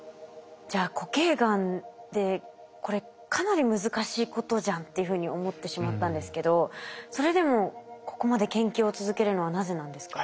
じゃあ固形がんってこれかなり難しいことじゃんというふうに思ってしまったんですけどそれでもここまで研究を続けるのはなぜなんですか？